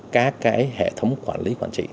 các cái hệ thống quản lý quản trị